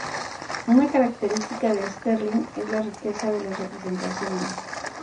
Una característica de Sterling es la riqueza de las representaciones.